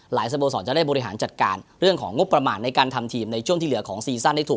สโมสรจะได้บริหารจัดการเรื่องของงบประมาณในการทำทีมในช่วงที่เหลือของซีซั่นได้ถูก